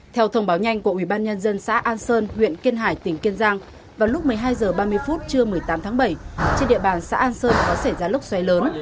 theo thông báo nhanh của ubnd xã an sơn huyện kiên hải tỉnh kiên giang vào lúc một mươi hai h ba mươi phút trưa một mươi tám tháng bảy trên địa bàn xã an sơn có xảy ra lốc xoáy lớn